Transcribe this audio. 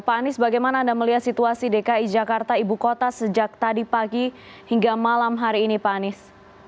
pak anies bagaimana anda melihat situasi dki jakarta ibu kota sejak tadi pagi hingga malam hari ini pak anies